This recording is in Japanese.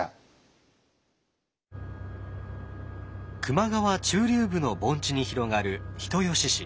球磨川中流部の盆地に広がる人吉市。